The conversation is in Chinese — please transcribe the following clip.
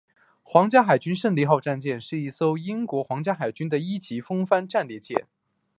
皇家海军胜利号战舰是一艘英国皇家海军的一级风帆战列舰。